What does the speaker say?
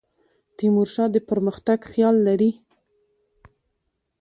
تیمور شاه د پرمختګ خیال لري.